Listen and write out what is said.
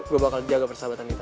gue bakal jaga persahabatan kita